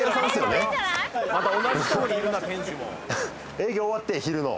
営業終わって昼の。